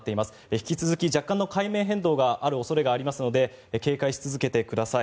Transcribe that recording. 引き続き若干の海面変動がある恐れがありますので警戒し続けてください。